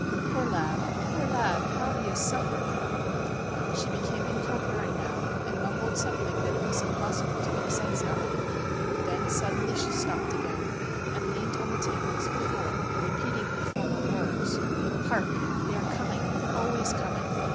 Poor lad, poor lad, how he has suffered !' She became incoherent now, and mumbled something that it was impossible to make sense out of. Then suddenly she stopped again, and leaned on the table as before, repeating her former words :' Hark ! They are coming — always coming.